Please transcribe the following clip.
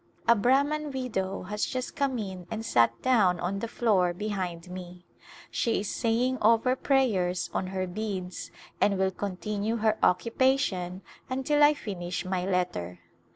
A Brahman widow has just come in and sat down on the floor behind me j she is saying over prayers on her beads and will continue her occupation until I finish my letter.